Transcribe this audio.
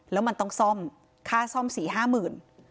แล้วมันต้องซ่อมค่าซ่อมสี่ห้าหมื่น